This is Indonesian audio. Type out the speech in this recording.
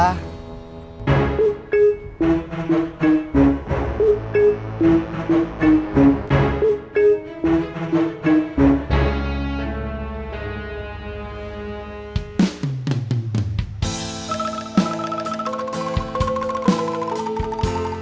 aku gak perlu minta maaf